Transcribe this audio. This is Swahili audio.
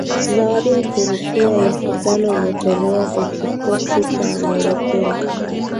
Zawadi ya rupia elfu tano ilitolewa kwa kikosi cha Merkl